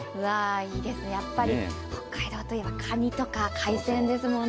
いいですね、北海道といえばカニとか海鮮ですものね。